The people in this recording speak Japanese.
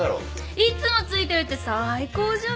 いつもついてるって最高じゃない。